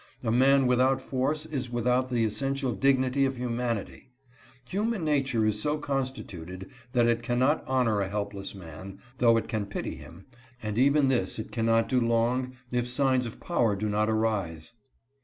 A man_ without force is without the essential dignity of humanity. HumaTP nature is so con stituted, that it cannot honor a helpless man, though it coxipity him, and even this it cannot do long if signs of power do not arise.